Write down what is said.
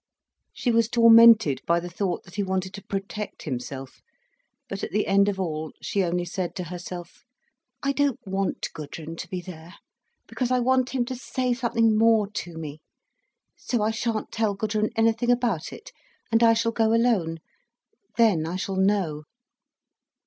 She was tormented by the thought that he wanted to protect himself. But at the end of all, she only said to herself: "I don't want Gudrun to be there, because I want him to say something more to me. So I shan't tell Gudrun anything about it, and I shall go alone. Then I shall know."